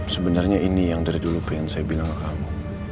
sebenarnya ini yang dari dulu pengen saya bilang ke kamu